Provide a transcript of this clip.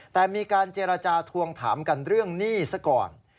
แต่มีการเจรจาทวงถามกันเรื่องหนี้ซะก่อน